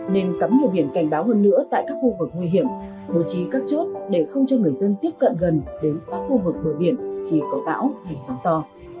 nên cấm nhiều biển cảnh báo hơn nữa tại các khu vực nguy hiểm bố trí các chốt để không cho người dân tiếp cận gần đến sát khu vực bờ biển khi có bão hay sóng to